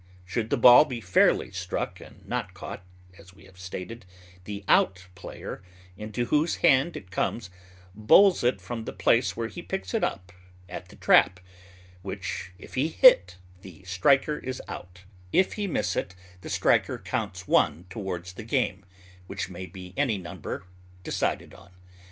Should the ball be fairly struck, and not caught, as we have stated, the out player, into whose hand it comes, bowls it from the place where he picks it up, at the trap, which if he hit, the striker is out; if he miss it the striker counts one towards the game, which may be any number decided on.